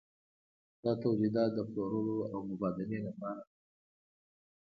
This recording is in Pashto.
دا تولیدات د پلورلو او مبادلې لپاره نه وو.